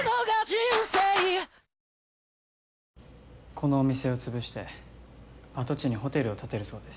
このお店を潰して跡地にホテルを建てるそうです。